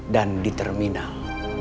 dan di terminal